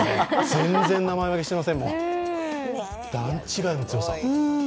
全然名前負けしてませんもん、段違いの強さ。